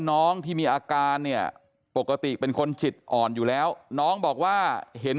น้องที่มีอาการเนี่ยปกติเป็นคนจิตอ่อนอยู่แล้วน้องบอกว่าเห็น